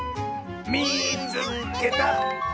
「みいつけた！」。